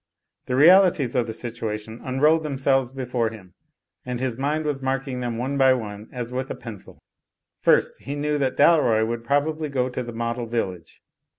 The realities of the situation unrolled themselves before him, and his mind was marking them one by one as with a pencil. First, he knew that Dalroy would probably go to the Model Village.